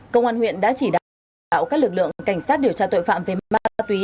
công an huyện đã chỉ đạo các lực lượng cảnh sát điều tra tội phạm về ma túy